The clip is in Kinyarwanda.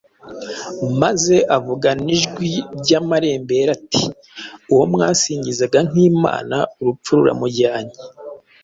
maze avugana ijwi ry’amarembera ati: “Uwo mwasingizaga nk’imana urupfu ruramujyanye.”